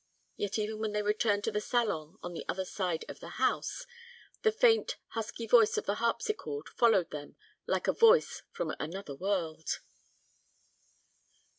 Yet even when they returned to the salon on the other side of the house, the faint, husky voice of the harpsichord followed them like a voice from another world.